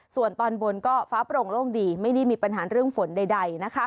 ส่วนตอนบนก็ฟ้าโปร่งโล่งดีไม่ได้มีปัญหาเรื่องฝนใด